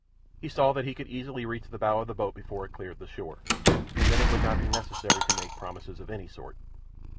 He saw that he could easily reach the bow of the boat before it cleared the shore, and then it would not be necessary to make promises of any sort.